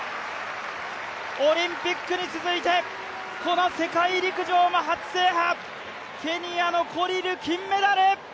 オリンピックに続いてこの世界陸上も初制覇、ケニアのコリル、金メダル。